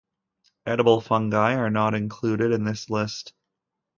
Edible fungi are not included in this list.